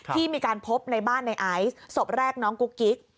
ที่มีการพบในบ้านในไอซ์ศพแรกน้องกุ๊กกิ๊ก